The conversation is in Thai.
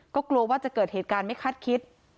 ก็กลัวว่าจะเกิดเหตุการณ์ไม่คาดคิด